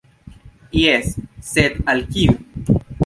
Jes, sed al kiu?